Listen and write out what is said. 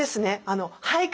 俳句